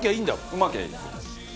うまきゃいいですよ。